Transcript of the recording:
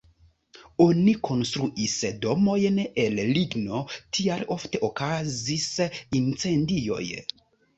Oni konstruis domojn el ligno, tial ofte okazis incendioj.